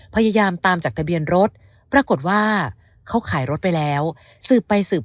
พยายามตามจากทะเบียนรถปรากฏว่าเขาขายรถไปแล้วสืบไปสืบ